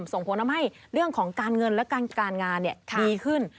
ส่งผลทำให้เรื่องของการเงินและการงานดีขึ้น